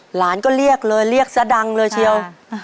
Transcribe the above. หลานก็เรียกเลยเรียกซะดังเลยเชียว